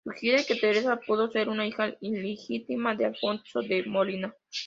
Sugiere que Teresa pudo ser una hija ilegítima de Alfonso de Molina.